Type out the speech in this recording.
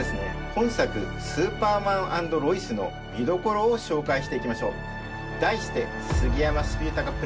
本作「スーパーマン＆ロイス」の見どころを紹介していきましょう。